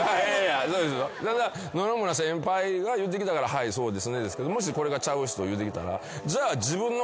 ただ野々村先輩が言うてきたから「はいそうですね」ですけどもしこれがちゃう人言うてきたらじゃあ自分の。